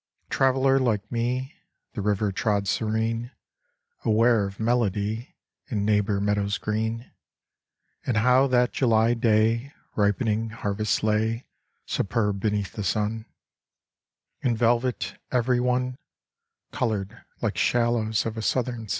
A traveler like me, The river trod serene, Aware of melody In neighbor meadows green, And how that July day Ripening harvests lay Superb beneath the sun, In velvet every one, Colored like shallows of a southern sea.